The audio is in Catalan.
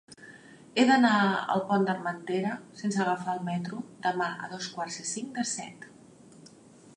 He d'anar al Pont d'Armentera sense agafar el metro demà a dos quarts i cinc de set.